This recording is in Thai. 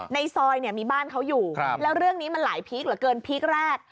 ในซอยเนี่ยมีบ้านเขาอยู่แล้วเรื่องนี้มันหลายพีคเหลือเกินพีคแรก